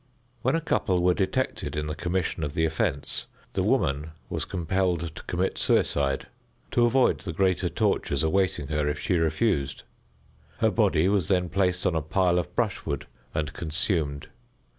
When a couple were detected in the commission of the offense, the woman was compelled to commit suicide, to avoid the greater tortures awaiting her if she refused. Her body was then placed on a pile of brushwood and consumed.